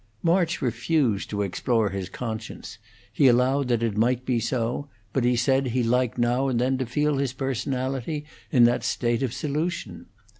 March refused to explore his conscience; he allowed that it might be so; but he said he liked now and then to feel his personality in that state of solution.